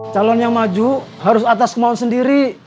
calon yang maju harus atas mau sendiri